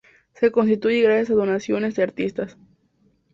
Se constituye gracias a donaciones de artistas.